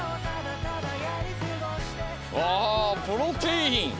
わあプロテイン。